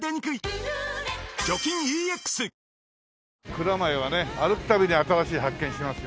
蔵前はね歩く度に新しい発見しますよ。